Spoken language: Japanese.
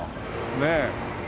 ねえ。